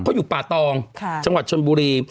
เพราะอยู่ป่าตองจังหวัดชนบุรี